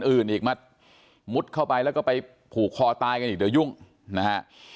อื่นอีกมามุดเข้าไปแล้วก็ไปผูกคอตายกันอีกเดี๋ยวยุ่งนะฮะ